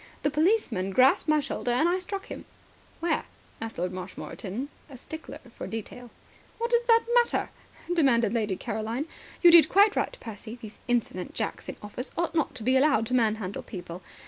The policeman grasped my shoulder, and I struck him." "Where?" asked Lord Marshmoreton, a stickler for detail. "What does that matter?" demanded Lady Caroline. "You did quite right, Percy. These insolent jacks in office ought not to be allowed to manhandle people.